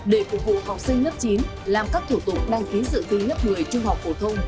để phục vụ học sinh lớp chín làm các thủ tục đăng ký dự thi lớp một mươi trung học phổ thông